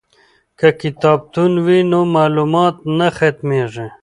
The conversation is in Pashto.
که کتابتون وي نو معلومات نه ختمیږي.